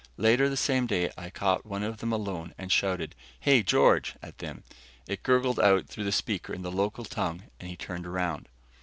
Later the same day, I caught one of them alone and shouted "Hey, George!" at him. It gurgled out through the speaker in the local tongue and he turned around.